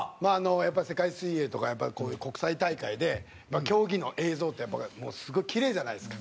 やっぱり世界水泳とかこういう国際大会で競技の映像ってやっぱりすごいキレイじゃないですか。